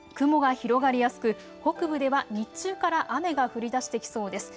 雲が広がりやすく北部では日中から雨が降りだしてきそうです。